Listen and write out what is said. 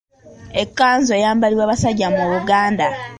Ekkanzu eyambalwa basajja mu Buganda.